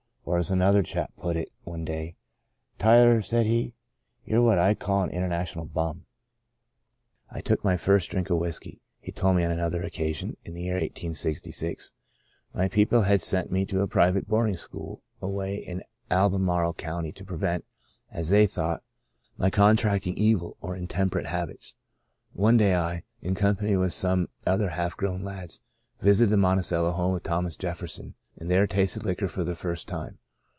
Or, as another chap put it one day —* Tyler,' said he, * you're what I call an international bum.' " I took my first drink of whiskey," he told me on another occasion, " in the year 1866. My people had sent me to a private boarding school away in Albemarle County to prevent, as they thought, my contracting evil or in Into a Far Country 79 temperate habits. One day I, in company with some other half grown lads, visited the Monticello home of Thomas Jefferson, and there tasted liquor for the first time.